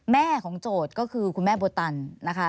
แม่ของโจทย์ก็คือคุณแม่โบตันนะคะ